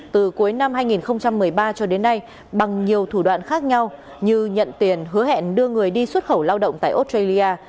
từ cuối năm hai nghìn một mươi ba cho đến nay bằng nhiều thủ đoạn khác nhau như nhận tiền hứa hẹn đưa người đi xuất khẩu lao động tại australia